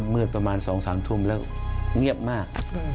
เมื่อประมาณ๒๓ทุ่มแล้วเงียบมาก